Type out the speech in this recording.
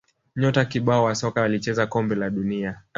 nyota kibao wa soka walicheza kombe la dunia